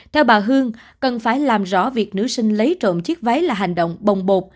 theo bà hương cần phải làm rõ việc nữ sinh lấy trộm chiếc váy là hành động bồng bột